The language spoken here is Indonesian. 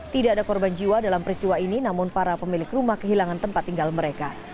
tidak ada korban jiwa dalam peristiwa ini namun para pemilik rumah kehilangan tempat tinggal mereka